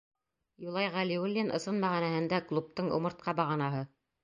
Юлай Ғәлиуллин — ысын мәғәнәһендә клубтың умыртҡа бағанаһы.